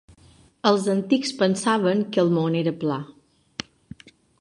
Els antics pensaven que el món era pla.